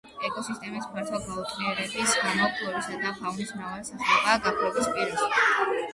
ეკოსისტემის ფართო გაუტყეურების გამო ფლორისა და ფაუნის მრავალი სახეობაა გაქრობის პირას.